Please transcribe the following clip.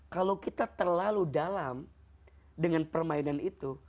kalau kita terlalu dalam dengan permainan itu